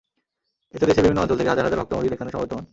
এতে দেশের বিভিন্ন অঞ্চল থেকে হাজার হাজার ভক্ত-মুরিদ এখানে সমবেত হন।